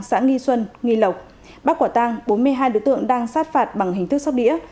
xã nghi xuân nghi lộc bắt quả tăng bốn mươi hai đối tượng đang sát phạt bằng hình thức sóc đĩa